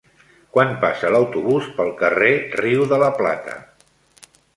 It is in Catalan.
Quan passa l'autobús pel carrer Riu de la Plata?